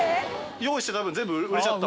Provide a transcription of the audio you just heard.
用意してた分、全部売れちゃった？